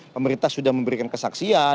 pemerintah sudah memberikan kesaksian